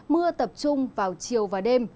mưa tập trung vào chiều và đêm